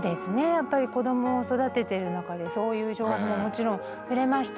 やっぱり子どもを育ててる中でそういう情報はもちろん触れましたし。